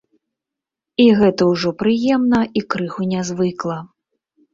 І гэта ўжо прыемна і крыху нязвыкла.